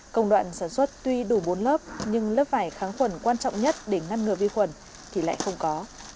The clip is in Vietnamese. công đoạn sản xuất tuy đủ bốn lớp nhưng lớp vải kháng khuẩn quan trọng nhất để ngăn ngừa vi khuẩn thì lại không có